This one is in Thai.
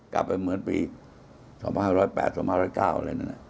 กลับไปเหมือนปี๒๕๐๘๒๕๐๙อะไรนั้น